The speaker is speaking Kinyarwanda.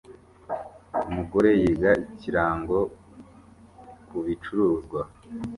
Umugore yiga ikirango kubicuruzwa